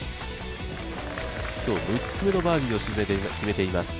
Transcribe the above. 今日６つめのバーディーを決めています。